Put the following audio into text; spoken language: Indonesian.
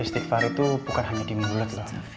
istighfar itu bukan hanya di mulut lah